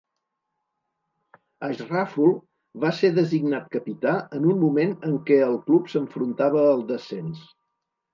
Ashraful va ser designat capità en un moment en què el club s'enfrontava el descens.